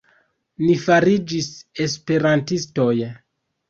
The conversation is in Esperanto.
Ni fariĝis esperantistoj.